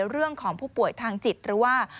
เรื่องของผู้ป่วยทางจิตหรือว่า